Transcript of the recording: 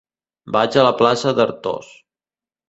Vaig a la plaça d'Artós.